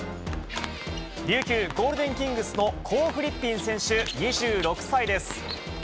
琉球ゴールデンキングスのコー・フリッピン選手２６歳です。